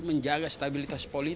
berarti fix apa ya